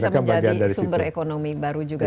dan bisa menjadi sumber ekonomi baru juga